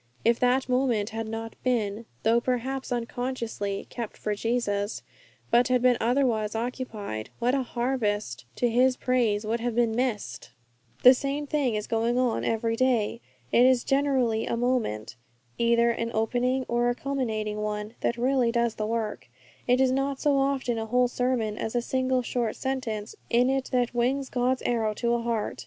If that moment had not been, though perhaps unconsciously, 'kept for Jesus,' but had been otherwise occupied, what a harvest to His praise would have been missed! The same thing is going on every day. It is generally a moment either an opening or a culminating one that really does the work. It is not so often a whole sermon as a single short sentence in it that wings God's arrow to a heart.